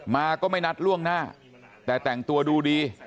ก็ไม่นัดล่วงหน้าแต่แต่งตัวดูดี